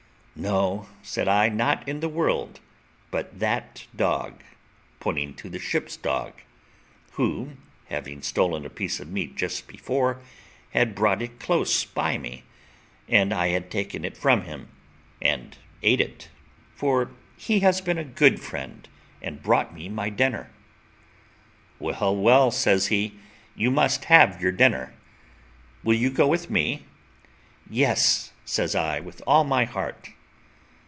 "No," said I, "not in the world, but that dog," pointing to the ship's dog (who, having stolen a piece of meat just before, had brought it close by me, and I had taken it from him, and ate it), "for he has been a good friend, and brought me my dinner." "Well, well," says he, "you must have your dinner. Will you go with me?" "Yes," says I, "with all my heart."